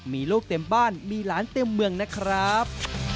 มีลูกเต็มบ้านมีหลานเต็มเมืองนะครับ